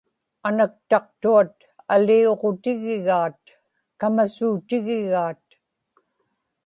anaktaqtuaq aliuġutigigaat; kamasuutigigaat